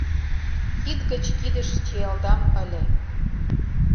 Кид гыч кидыш чиялдам ыле;